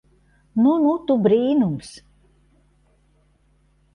Nu nu tu brīnums.